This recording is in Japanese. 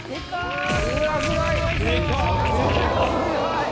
うわすごい。